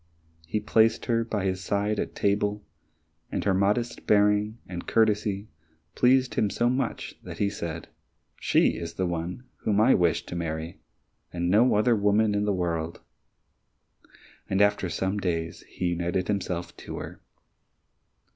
He placed her by his side at table, and her modest bearing and courtesy pleased him so much that he said, "She is the one whom I wish to marry, and no other woman in the world." And after some days he united himself to her.